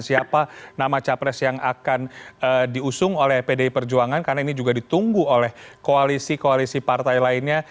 siapa nama capres yang akan diusung oleh pdi perjuangan karena ini juga ditunggu oleh koalisi koalisi partai lainnya